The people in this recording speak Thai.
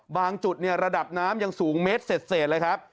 จุดระดับน้ำยังสูงเมตรเสร็จเลยครับ